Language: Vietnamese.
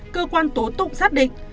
cơ quan tố tụng xác định